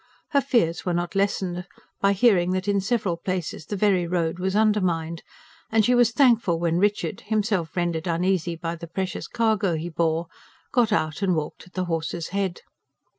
Her fears were not lessened by hearing that in several places the very road was undermined; and she was thankful when Richard himself rendered uneasy by the precious cargo he bore got out and walked at the horse's head.